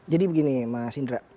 jadi begini mas indra